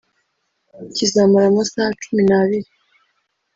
Kizamara amasaha cumi n’abiri